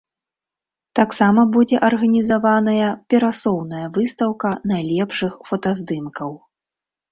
Таксама будзе арганізаваная перасоўная выстаўка найлепшых фотаздымкаў.